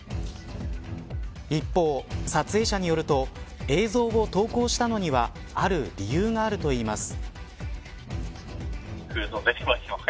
一方、撮影者によると映像を投稿したのにはある理由があるといいます。